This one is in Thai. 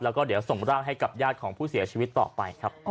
แล้วก็เดี๋ยวส่งร่างให้กับญาติของผู้เสียชีวิตต่อไปครับ